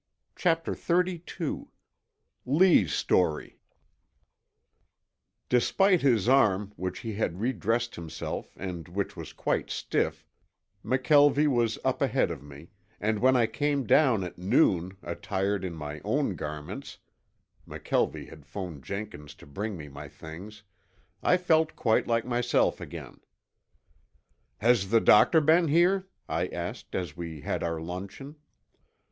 CHAPTER XXXII LEE'S STORY Despite his arm, which he had redressed himself and which was quite stiff, McKelvie was up ahead of me, and when I came down at noon attired in my own garments (McKelvie had phoned Jenkins to bring me my things) I felt quite like myself again. "Has the doctor been here?" I asked as we had our luncheon.